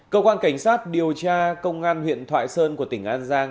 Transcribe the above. cơ quan cảnh sát điều tra công an huyện thoại sơn của tỉnh an giang